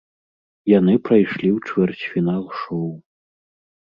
Яны прайшлі ў чвэрцьфінал шоў.